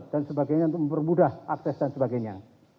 dan sebagainya untuk mempermudah akses dan sebagainya